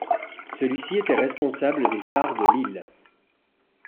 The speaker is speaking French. Celui-ci était responsable des phares de l'île.